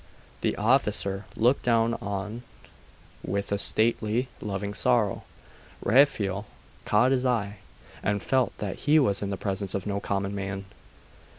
The officer looked down on with a stately, loving sorrow. Raphael caught his eye, and felt that he was in the presence of no common man.